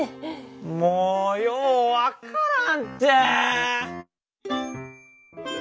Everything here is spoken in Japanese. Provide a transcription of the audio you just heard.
もうよう分からんって！